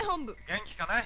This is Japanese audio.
「元気かね？